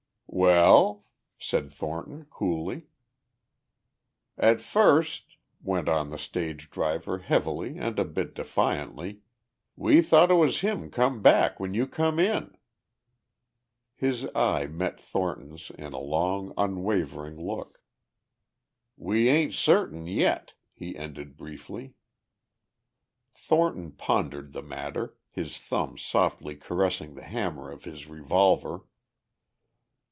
"Well?" said Thornton coolly. "At first," went on the stage driver heavily and a bit defiantly, "we thought it was him come back when you come in." His eye met Thornton's in a long unwavering look. "We ain't certain yet," he ended briefly. Thornton pondered the matter, his thumb softly caressing the hammer of his revolver.